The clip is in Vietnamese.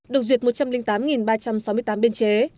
được duyệt một trăm linh tám ba trăm sáu mươi tám biên chế